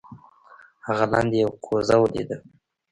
هغه لاندې یو کوزه ولیده.